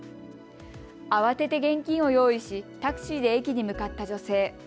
慌てて現金を用意し、タクシーで駅に向かった女性。